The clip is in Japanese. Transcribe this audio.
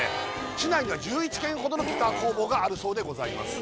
市内には１１軒ほどのギター工房があるそうでございます